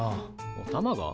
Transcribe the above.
おたまが？